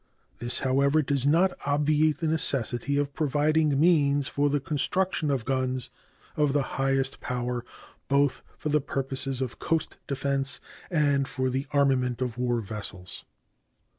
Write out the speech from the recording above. This, however, does not obviate the necessity of providing means for the construction of guns of the highest power both for the purposes of coast defense and for the armament of war vessels.